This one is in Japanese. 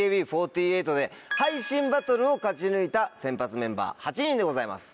ＡＫＢ４８で配信バトルを勝ち抜いた選抜メンバー８人でございます。